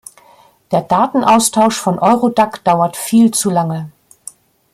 Der Datenaustausch von Eurodac dauert viel zu lange.